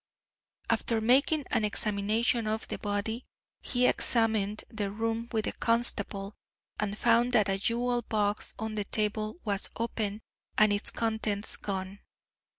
After making an examination of the body, he examined the room with the constable, and found that a jewel box on the table was open and its contents gone.